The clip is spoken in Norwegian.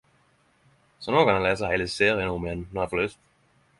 Så nå kan eg lese hele serien om igjen når eg får lyst!